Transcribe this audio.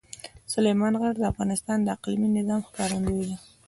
سلیمان غر د افغانستان د اقلیمي نظام ښکارندوی ده.